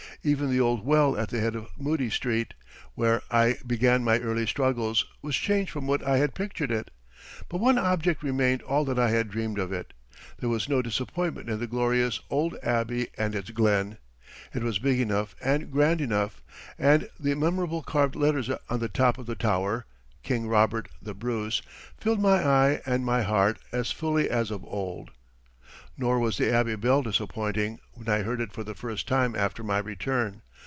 Even the old well at the head of Moodie Street, where I began my early struggles, was changed from what I had pictured it. But one object remained all that I had dreamed of it. There was no disappointment in the glorious old Abbey and its Glen. It was big enough and grand enough, and the memorable carved letters on the top of the tower "King Robert The Bruce" filled my eye and my heart as fully as of old. Nor was the Abbey bell disappointing, when I heard it for the first time after my return.